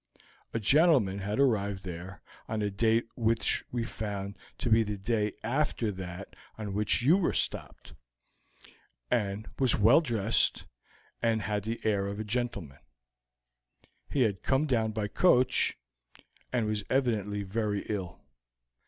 A gentleman had arrived there on a date which we found to be the day after that on which you were stopped; he was well dressed, and had the air of a gentleman; he had come down by coach, and was evidently very ill.